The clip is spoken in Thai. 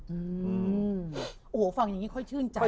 อืมโอ้โหฟังอย่างนี้ค่อยชื่นใจ